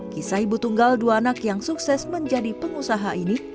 kisah ibu tunggal dua anak yang sukses menjadi pengusaha ini